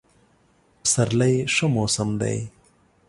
پسرلی ښه موسم دی.